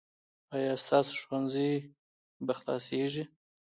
ایا ستاسو ښوونځی به خلاصیږي؟